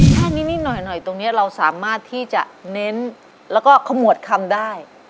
ถ้านิดหน่อยตรงนี้เราสามารถที่จะเน้นแล้วก็ขมวดคำได้